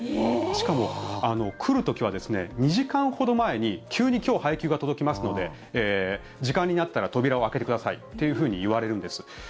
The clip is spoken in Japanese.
しかも、来る時は２時間ほど前に急に今日、配給が届きますので時間になったら扉を開けてくださいというふうに言われるんです。